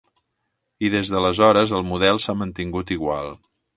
I des d'aleshores el model s'ha mantingut igual.